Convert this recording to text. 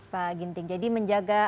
pak ginting jadi menjaga